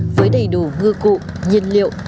với đầy đủ ngư cụ nhiên liệu